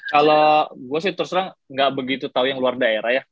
kalo gua sih terserah gak begitu tau yang luar daerah ya